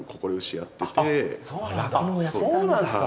そうなんすか。